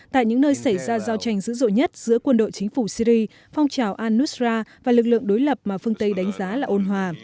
tại những nơi xảy ra giao tranh dữ dội nhất giữa quân đội chính phủ syri phong trào anusra và lực lượng đối lập mà phương tây đánh giá là ôn hòa